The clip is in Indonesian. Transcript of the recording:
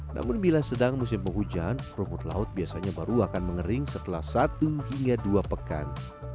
namun bila sedang musim penghujan rumput laut biasanya baru akan mengering setelah satu hingga dua pekan